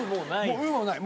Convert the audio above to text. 「う」もない。